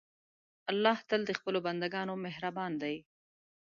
الله تل د خپلو بندهګانو مهربان دی.